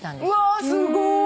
うわすごい！